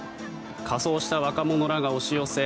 仮装した若者らが押し寄せ